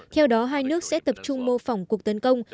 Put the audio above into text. theo đó hai nước sẽ tập trung mô phỏng cuộc tấn công